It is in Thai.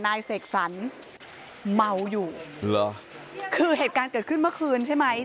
เสกสรรเมาอยู่เหรอคือเหตุการณ์เกิดขึ้นเมื่อคืนใช่ไหม